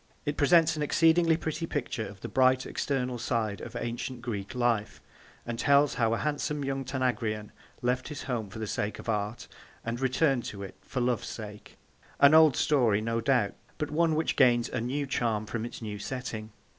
It presents an exceedingly pretty picture of the bright external side of ancient Greek life, and tells how a handsome young Tanagrian left his home for the sake of art, and returned to it for love's sake an old story, no doubt, but one which gains a new charm from its new setting.